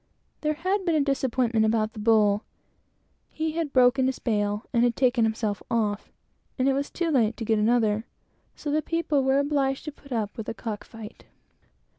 There had been a disappointment about the bull; he had broken his bail, and taken himself off, and it was too late to get another; so the people were obliged to put up with a cock fight.